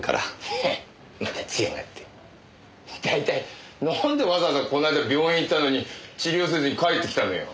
ヘッまた強がって。大体なんでわざわざこの間病院行ったのに治療せずに帰って来たのよ？